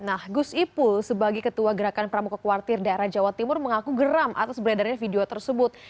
nah gus ipul sebagai ketua gerakan pramuka kuartir daerah jawa timur mengaku geram atas beredarnya video tersebut